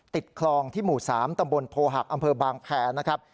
ติดคลองที่หมู่๓ตำบลโพหักอำเภอบางแพรนะครับ